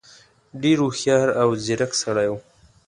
ډېر هوښیار او ځيرک سړی وو.